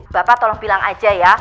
bapak tolong bilang aja ya